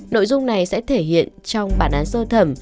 nội dung này sẽ thể hiện trong bản án sơ thẩm